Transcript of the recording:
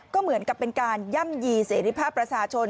ก็เหมือนกับเป็นการย่ำยีเสรีภาพประชาชน